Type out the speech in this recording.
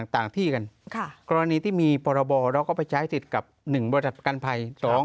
ต่างที่กันกรณีที่มีพรบเราก็ไปใช้สิทธิ์กับ๑บริษัทประกันภัย